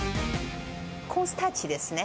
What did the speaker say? コーンスターチですね。